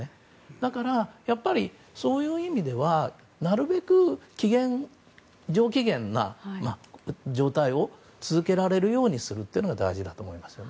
だからやっぱりそういう意味ではなるべく、上機嫌な状態を続けられるようにするっていうのが大事だと思います。